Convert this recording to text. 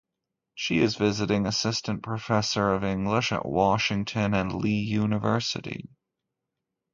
She is Visiting Assistant Professor of English at Washington and Lee University.